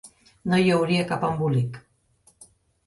No hi hauria cap embolic.